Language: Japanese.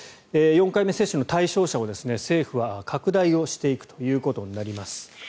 ４回目接種の対象者を、政府は拡大をしていくということになります。